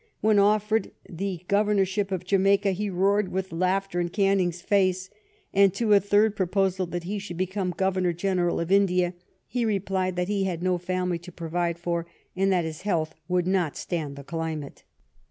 When ofiPered the Governorship of Jamaica, he roared with laughter in Canning's face ; and to a third proposal that he should become Governor General of India, he replied that he had no family to provide for, and that his health would not stand the climate.